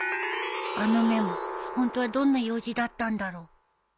あのメモホントはどんな用事だったんだろ